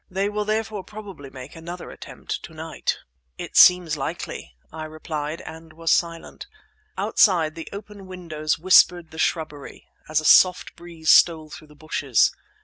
They will therefore probably make another attempt to night." "It seems likely," I replied; and was silent. Outside the open windows whispered the shrubbery, as a soft breeze stole through the bushes.